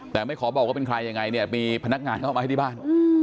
แต่ไม่ขอบอกว่าเป็นใครยังไงเนี่ยมีพนักงานเข้ามาให้ที่บ้าน